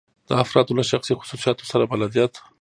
د افرادو له شخصي خصوصیاتو سره بلدیت.